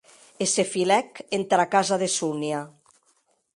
E se filèc entara casa de Sonia.